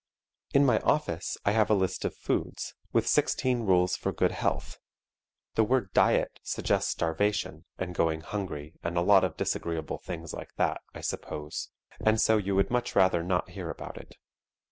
In my office I have a list of foods, with sixteen rules for good health. The word "diet" suggests starvation and going hungry and a lot of disagreeable things like that, I suppose, and so you would much rather not hear about it.